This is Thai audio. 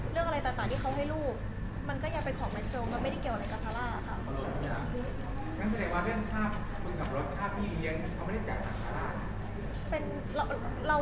เรื่องอะไรต่างต่างที่เขาให้รูปมันก็ยังเป็นของแม่เจ้า